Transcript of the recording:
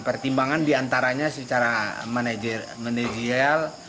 pertimbangan diantaranya secara manajial